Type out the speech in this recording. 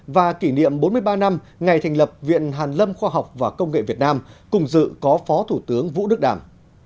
và kỷ niệm bốn mươi ba năm ngày thành lập viện hàn lâm khoa học và công nghệ việt nam cùng dự có phó thủ tướng vũ đức đảm